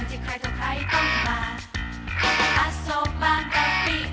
เธอเจอลงเรือหลังมายนาม